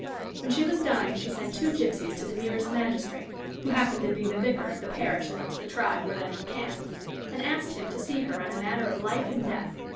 When she was dying she sent two gypsies to the nearest magistrate who happened to be the vicar of the parish in which the tribe were then encamped and asked him to see her on a matter of life and death.